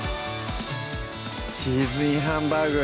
「チーズインハンバーグ」